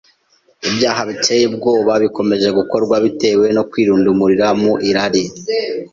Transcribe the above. Ibyaha biteye ubwoba bikomeje gukorwa bitewe no kwirundumurira mu irari